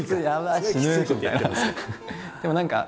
でも何か